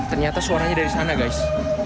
ternyata suaranya dari sana guys